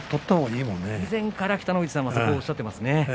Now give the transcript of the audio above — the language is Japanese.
以前から北の富士さんはそうおっしゃってますね。